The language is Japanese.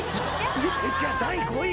じゃあ第５位。